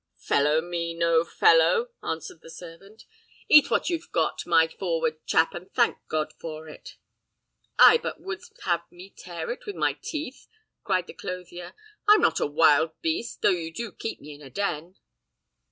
"Fellow me no fellow!" answered the servant. "Eat what you've got, my forward chap, and thank God for it." "Ay, but wouldst have me tear it with my teeth?" cried the clothier. "I'm not a wild beast, though you do keep me in a den."